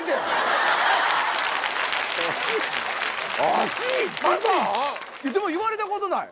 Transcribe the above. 脚一番⁉でも言われたことない。